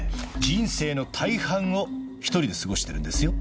人生の大半を一人で過ごしているんですよ